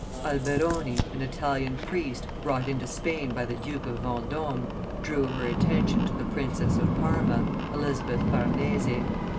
Alberoni, an Italian priest, brought into Spain by the Duke of Vendome, drew her attention to the Princess of Parma, Elizabeth Farnese.